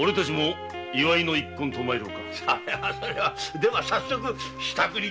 では早速支度を。